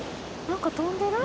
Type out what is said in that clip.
何か飛んでる？